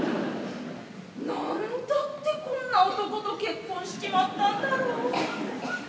なんだって、こんな男と結婚しちまったんだろう。